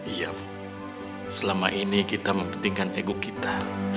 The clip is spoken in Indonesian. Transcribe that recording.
iya bu selama ini kita mempentingkan ego kita